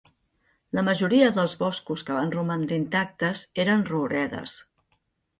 La majoria dels boscos que van romandre intactes eren rouredes.